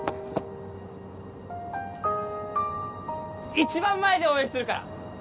一番前で応援するから！